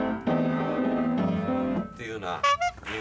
っていうような。